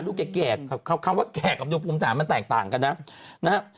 ให้ดูภูมิฐานดูแก่เขาว่าแก่กับดูภูมิฐานมันแตกต่างกันนะครับ